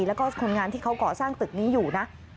แล้วก็คนงานที่เขาก่อสร้างตึกนี้อยู่นะ